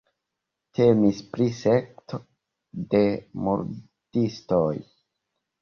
Temis pri sekto de murdistoj.